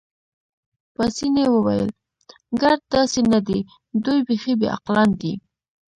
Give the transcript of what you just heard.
پاسیني وویل: ګرد داسې نه دي، دوی بیخي بې عقلان دي.